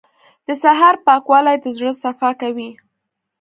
• د سهار پاکوالی د زړه صفا کوي.